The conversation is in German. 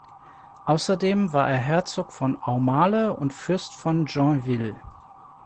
Außerdem war er Herzog von Aumale und Fürst von Joinville.